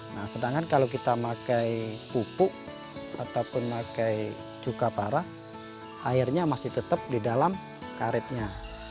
nah sedangkan kalau kita pakai pupuk ataupun pakai cuka parah airnya masih tetap di dalam karetnya